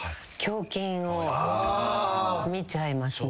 見ちゃいますね。